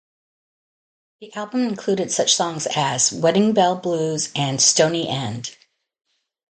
The album included such songs as "Wedding Bell Blues" and "Stoney End.